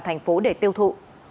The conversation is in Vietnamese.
thành phố để tiêu thụ